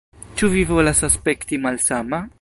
Ĉu vi volas aspekti malsama?